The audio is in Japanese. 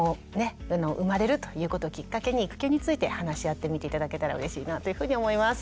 産まれるということをきっかけに育休について話し合ってみて頂けたらうれしいなというふうに思います。